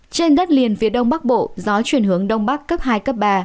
trên đất liền phía đông bắc bộ gió chuyển hướng đông bắc cấp hai cấp ba